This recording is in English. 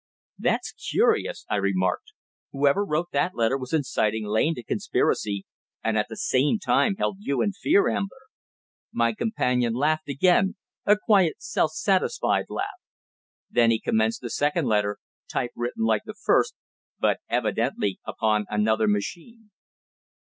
"_ "That's curious," I remarked. "Whoever wrote that letter was inciting Lane to conspiracy, and at the same time held you in fear, Ambler." My companion laughed again a quiet self satisfied laugh. Then he commenced the second letter, type written like the first, but evidently upon another machine.